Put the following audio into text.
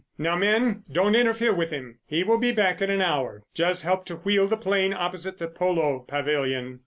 Now, men, don't interfere with him, he will be back in an hour. Just help to wheel the 'plane opposite the polo pavilion."